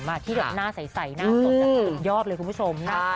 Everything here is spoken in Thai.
หน้าใสหน้าสดยอดเลยคุณผู้ชม